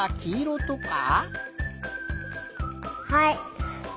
はい！